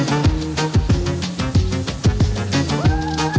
atacara agung wilayah tiongkok